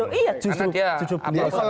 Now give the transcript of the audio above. karena dia harus menjadi